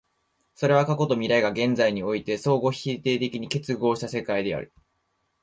それは過去と未来が現在において相互否定的に結合した世界である。